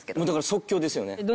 だから即興ですよね。